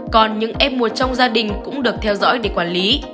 còn những f một trong gia đình cũng được theo dõi để quản lý